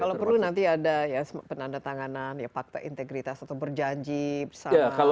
kalau perlu nanti ada ya penanda tanganan ya fakta integritas atau berjanji bersama